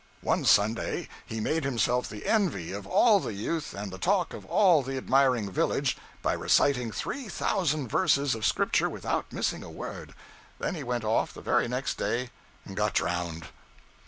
One Sunday he made himself the envy of all the youth and the talk of all the admiring village, by reciting three thousand verses of Scripture without missing a word; then he went off the very next day and got drowned.